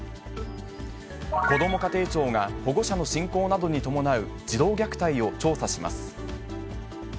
こども家庭庁が保護者の信仰などに伴う児童虐待を調査します。